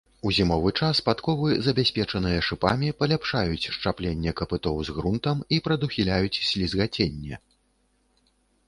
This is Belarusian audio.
У зімовы час падковы, забяспечаныя шыпамі, паляпшаюць счапленне капытоў з грунтам і прадухіляюць слізгаценне.